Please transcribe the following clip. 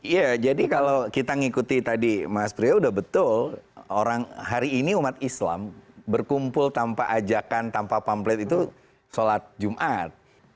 ya jadi kalau kita ngikuti tadi mas priyo sudah betul orang hari ini umat islam berkumpul tanpa ajakan tanpa pamplet itu sholat jumat